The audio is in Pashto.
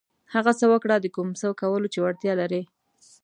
هغه څه وکړه د کوم څه کولو چې وړتیا لرئ.